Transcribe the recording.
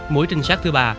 mũi trinh sát thứ ba